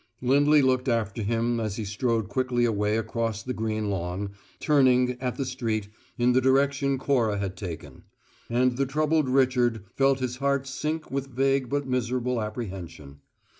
Lindley looked after him as he strode quickly away across the green lawn, turning, at the street, in the direction Cora had taken; and the troubled Richard felt his heart sink with vague but miserable apprehension.